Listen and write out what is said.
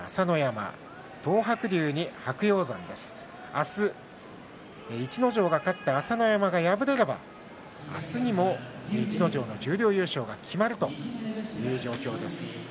明日、逸ノ城が勝って朝乃山が敗れれば明日にも逸ノ城の十両優勝が決まるという状況です。